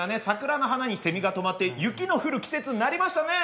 桜の花にセミが止まって雪の降る季節になりましたね。